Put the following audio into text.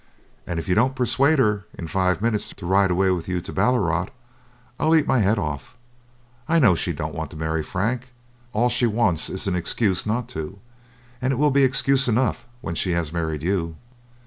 And if you don't persuade her in five minutes to ride away with you to Ballarat, I'll eat my head off. I know she don't want to marry Frank; all she wants is an excuse not to, and it will be excuse enough when she has married you."